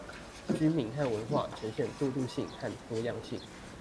居民和文化呈現過渡性和多樣性